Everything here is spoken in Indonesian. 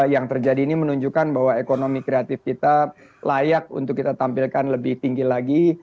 yang terjadi ini menunjukkan bahwa ekonomi kreatif kita layak untuk kita tampilkan lebih tinggi lagi